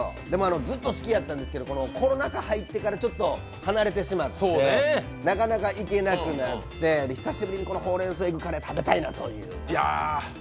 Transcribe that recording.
ずっと好きやったんですけどコロナ禍に入ってからちょっと離れてしまってなかなか行けなくなって久しぶりにほうれん草入りのカレー食べたいなと思って。